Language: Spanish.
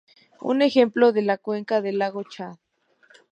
Un ejemplo es la cuenca del lago Chad.